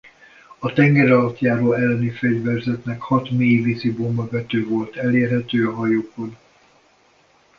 A tengeralattjáró elleni fegyverzetnek hat mélyvízi bomba vető volt elérhető a hajókon.